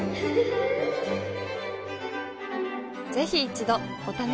ぜひ一度お試しを。